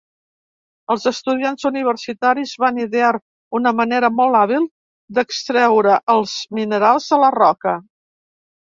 Els estudiants universitaris van idear una manera molt hàbil d'extreure els minerals de la roca.